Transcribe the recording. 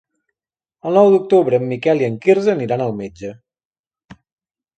El nou d'octubre en Miquel i en Quirze aniran al metge.